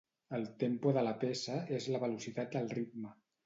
El tempo de la peça és la velocitat del ritme.